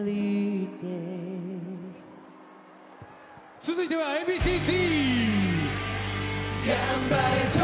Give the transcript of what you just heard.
続いてはＡ．Ｂ．Ｃ‐Ｚ！